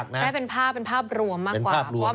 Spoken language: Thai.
ได้เป็นภาพเป็นภาพรวมมากกว่า